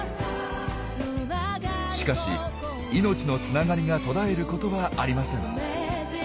しかし命のつながりが途絶えることはありません。